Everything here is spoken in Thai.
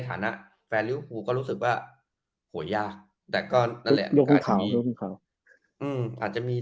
ฐานะแฟรนลิวฟูก็รู้สึกว่าโหยากแต่ก็นั่นแหละอาจจะมี